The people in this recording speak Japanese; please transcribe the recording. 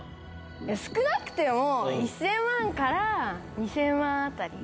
少なくても１０００万から２０００万あたり。